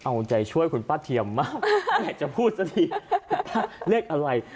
เอาใจช่วยคุณป้าเทียมมากอยากจะพูดสักทีเลขอะไร